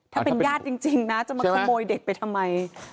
ถ้าเป็นญาติจริงนะจะมาขโมยเด็กไปทำไม